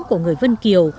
của người vân kiều